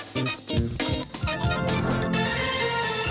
โปรดติดตามตอนต่อไป